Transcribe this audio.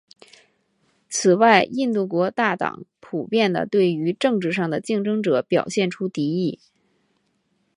此外印度国大党普遍地对于政治上的竞争者表现出敌意。